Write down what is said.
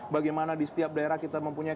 bagaimana di setiap daerah kita mempunyai